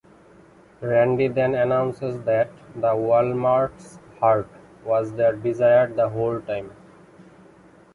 Randy then announces that the Wall-Mart's "heart" was their desires the whole time.